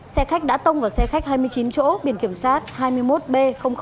xe khách đã tông vào xe khách hai mươi chín chỗ biển kiểm soát hai mươi một b hai mươi một